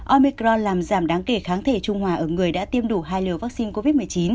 omicro làm giảm đáng kể kháng thể trung hòa ở người đã tiêm đủ hai liều vaccine covid một mươi chín